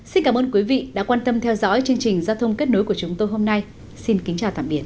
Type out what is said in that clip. xin cảm ơn quý vị đã quan tâm theo dõi chương trình giao thông kết nối của chúng tôi hôm nay xin kính chào tạm biệt